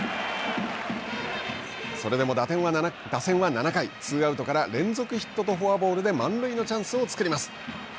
それでも打線は７回ツーアウトから連続ヒットとフォアボールで満塁のチャンスを作ります。